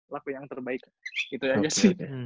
laku yang terbaik gitu aja sih